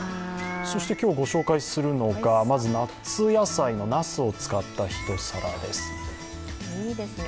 そして今日ご紹介するのが、まず夏野菜のなすを使った一皿です。